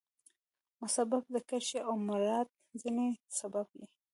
مسبب ذکر شي او مراد ځني سبب يي.